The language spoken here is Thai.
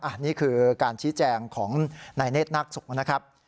อ่านี่คือการชี้แจงของนายเน็ตนักสุขนะครับ